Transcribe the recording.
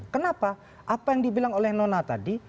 kenapa apa yang dibilang oleh nona tadi